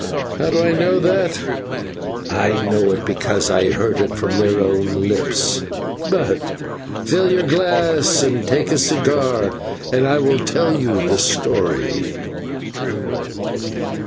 How do I know that? I know it because I heard it from their own lips, but fill your glass and take a cigar and I will tell you the story."